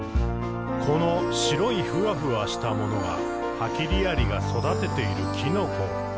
「この白いふわふわしたものがハキリアリが育てているきのこ。」